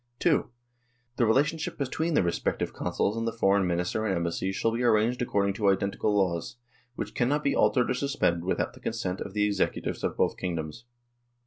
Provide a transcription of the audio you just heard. " (2) The relationship between the respective Consuls and the Foreign Minister and Embassies shall be arranged according to identical laws, which cannot be altered or suspended without the consent of the Executives of both kingdoms."